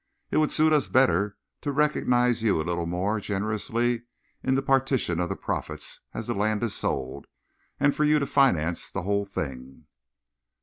"It would suit us better to recognise you a little more generously in the partition of the profits as the land is sold, and for you to finance the whole thing."